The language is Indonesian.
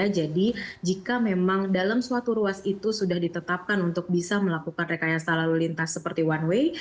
jadi jika memang dalam suatu ruas itu sudah ditetapkan untuk bisa melakukan rekayasa lalu lintas seperti one way